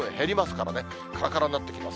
からからになってきます。